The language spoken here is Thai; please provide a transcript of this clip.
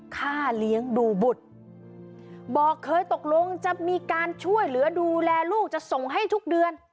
ค่าเลี้ยงดูบุตรบอกเคยตกลงจะมีการช่วยเหลือดูแลลูกจะส่งให้ทุกเดือน